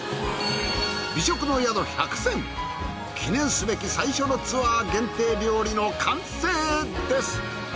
美食の宿１００選記念すべき最初のツアー限定料理の完成です。